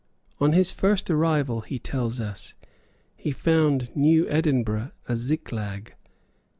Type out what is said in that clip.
On his first arrival, he tells us, he found New Edinburgh a Ziklag.